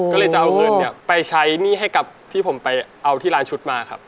ก็เลยจะเอาเงินเนี่ยไปใช้หนี้ให้กับที่ผมไปเอาที่ร้านชุดมาครับ